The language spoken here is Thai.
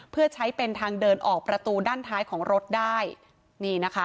เพื่อใช้เป็นทางเดินออกประตูด้านท้ายของรถได้นี่นะคะ